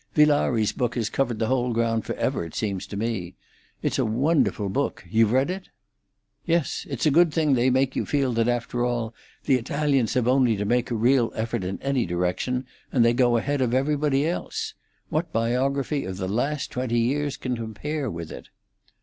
Villari's book has covered the whole ground for ever, it seems to me. It's a wonderful book. You've read it?" "Yes. It's a thing that makes you feel that, after all, the Italians have only to make a real effort in any direction, and they go ahead of everybody else. What biography of the last twenty years can compare with it?"